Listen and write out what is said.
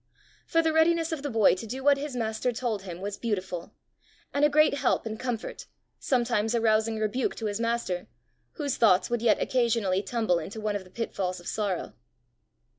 For the readiness of the boy to do what his master told him, was beautiful and a great help and comfort, sometimes a rousing rebuke to his master, whose thoughts would yet occasionally tumble into one of the pitfalls of sorrow.